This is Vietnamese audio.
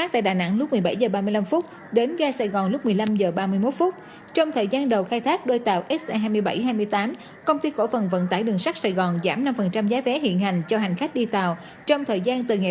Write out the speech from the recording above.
trong thời gian từ ngày ba mươi tháng năm